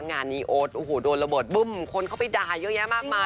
งานนี้โอ๊ดโดนระบบดูมคนเข้าไปด่ายเยอะแยะมากมาย